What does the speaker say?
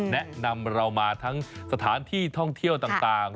แนะนำเรามาทั้งสถานที่ท่องเที่ยวต่าง